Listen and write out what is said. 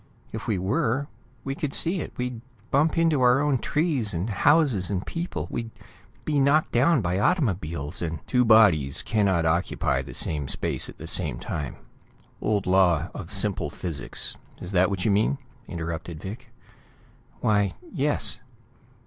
If we were, we could see it; we'd bump into our own trees and houses and people; we'd be knocked down by automobiles, and " "Two bodies cannot occupy the same space at the same time. Old law of simple physics. Is that what you mean?" interrupted Vic. "Why, yes."